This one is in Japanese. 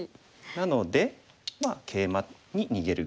なのでケイマに逃げるぐらい。